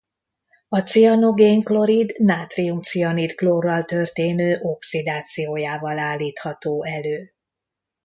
A cianogén-klorid nátrium-cianid klórral történő oxidációjával állítható elő.